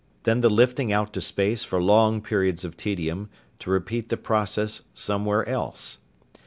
Then the lifting out to space for long periods of tedium, to repeat the process somewhere else.